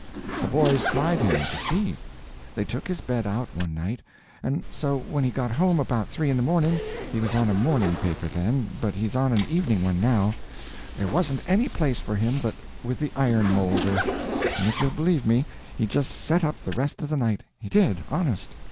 The boys tried him, to see. They took his bed out one night, and so when he got home about three in the morning—he was on a morning paper then, but he's on an evening one now—there wasn't any place for him but with the iron moulder; and if you'll believe me, he just set up the rest of the night—he did, honest.